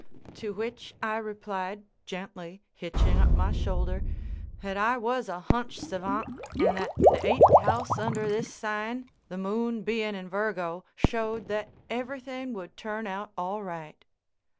To which I replied, gently, hitching up my shoulder, that I was a hunch savant and that the Eighth House under this sign, the Moon being in Virgo, showed that everything would turn out all right.